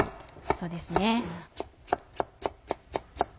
そうですね。